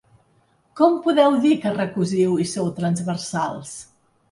Com podeu dir que recosiu i sou transversals?